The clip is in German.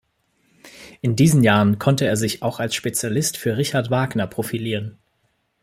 In diesen Jahren konnte er sich auch als Spezialist für Richard Wagner profilieren.